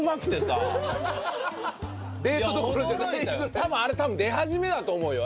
多分あれ出始めだと思うよ